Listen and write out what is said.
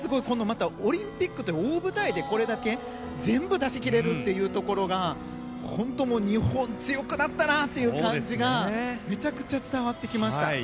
このオリンピックという大舞台で全部出し切れるというところが本当に日本強くなったなという感じがめちゃくちゃ伝わってきました。